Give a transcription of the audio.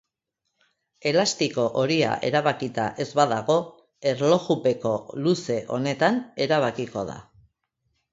Elastiko horia erabakita ez badago erlojupeko luze honetan rabakiko da.